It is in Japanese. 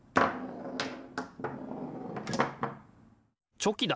チョキだ！